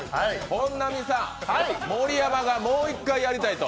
本並さん、盛山がもう一回やりたいと。